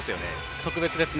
特別ですね。